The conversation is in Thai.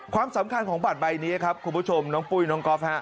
ความสำคัญของบัตรใบนี้ครับคุณผู้ชมน้องปุ้ยน้องก๊อฟฮะ